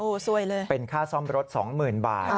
โอ้โหสวยเลยเป็นค่าซ่อมรถสองหมื่นบาท